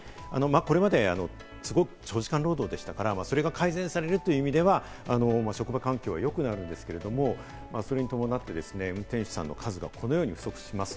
これまですごく長時間労働でしたから、それが改善されるという意味では職場環境はよくなるんですけれども、それに伴って、運転手さんの数がこのように不足します。